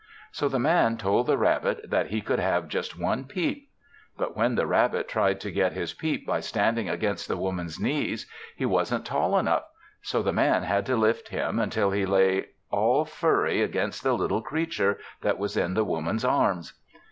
So the Man told the rabbit that he could have just one peep. But when the rabbit tried to get his peep by standing against the Woman's knees, he wasn't tall enough, so the Man had to lift him till he lay all furry against the little creature that was in the Woman's arms.